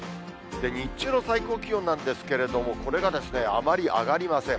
日中の最高気温なんですけれども、これがですね、あまり上がりません。